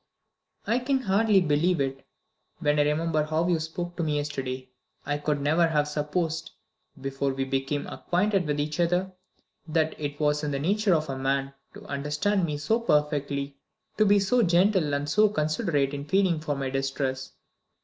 "I can hardly believe it, when I remember how you spoke to me yesterday. I could never have supposed, before we became acquainted with each other, that it was in the nature of a man to understand me so perfectly, to be so gentle and so considerate in feeling for my distress.